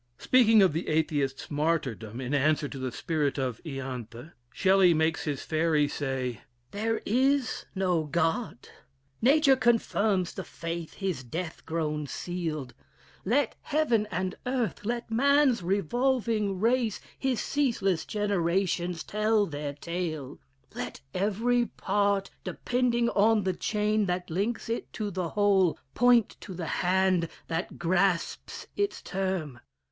Speaking of the Atheist's martyrdom in answer to the spirit of "Ianthe," Shelley makes his fairy say: "There is no God! Nature confirms the faith his death groan sealed. Let heaven and earth, let man's revolving race, His ceaseless generations, tell their tale; Let every part depending on the chain That links it to the whole, point to the hand That grasps its term!